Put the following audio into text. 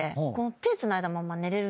手つないだまま寝れるんですよ。